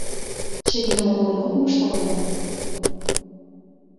Чывигым оролен ок мошто гын